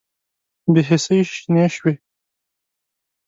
بې حسۍ شنې شوې